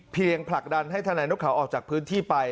ผลักดันให้ทนายนกเขาออกจากพื้นที่ไป